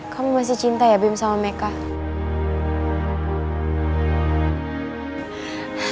kamu masih cinta ya bim sama meka